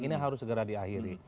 ini harus segera diakhiri